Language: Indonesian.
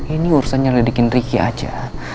ini urusan yang didikin riki aja